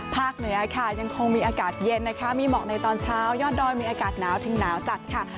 เหนือค่ะยังคงมีอากาศเย็นนะคะมีหมอกในตอนเช้ายอดดอยมีอากาศหนาวถึงหนาวจัดค่ะ